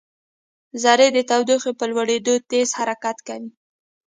ذرې د تودوخې په لوړېدو تېز حرکت کوي.